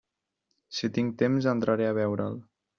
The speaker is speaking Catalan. Si tinc temps, entraré a veure'l.